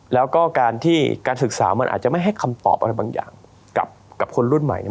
แล้วก็การที่การศึกษามันอาจจะไม่ให้คำตอบอะไรบางอย่างกับคนรุ่นใหม่เนี่ย